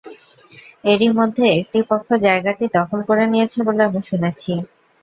এরই মধ্যে একটি পক্ষ জায়গাটি দখল করে নিয়েছে বলে আমি শুনেছি।